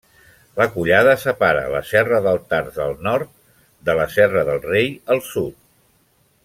La collada separa la Serra d'Altars, al nord, de la Serra del Rei, al sud.